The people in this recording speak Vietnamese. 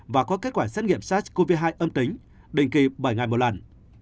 và có kết quả xét nghiệm sars cov hai âm tính định kỳ bảy ngày một lần